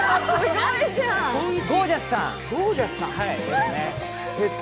ゴー☆ジャスさん。